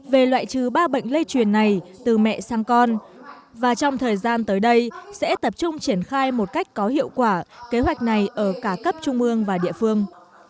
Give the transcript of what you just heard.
về loại trừ ba bệnh lây truyền này từ mẹ sang con và trong thời gian tới đây sẽ tập trung triển khai một cách có hiệu quả kế hoạch này ở cả cấp trung ương và địa phương